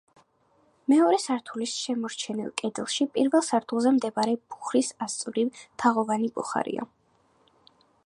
მეორე სართულის შემორჩენილ კედელში, პირველ სართულზე მდებარე ბუხრის ასწვრივ, თაღოვანი ბუხარია.